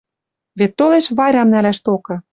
Вет толеш Варям нӓлӓш токы.